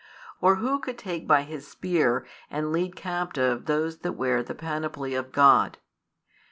Or who could take by his spear and lead captive those that wear the panoply of God?